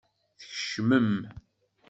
Tkecmem.